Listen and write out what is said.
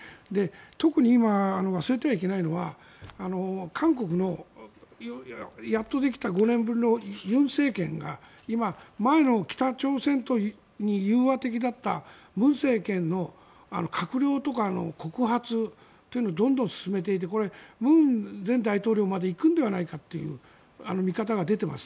特に今、忘れてはいけないのは韓国の、やっとできた５年ぶりの尹政権が前の、北朝鮮に融和的だった文政権の閣僚とかの告発というのをどんどん進めていてこれ、尹前大統領まで行くのではないかという見方が出ています。